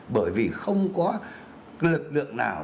bởi vì không có lực lượng nào